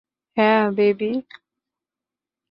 হ্যা, বেবি?